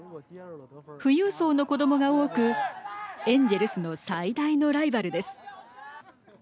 富裕層の子どもが多くエンジェルスの最大のライバルです。